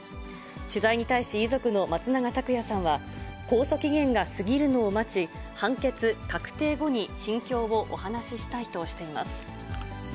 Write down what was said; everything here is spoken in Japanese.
取材に対し、遺族の松永拓也さんは、控訴期限が過ぎるのを待ち、判決確定後に心境をお話ししたいとしています。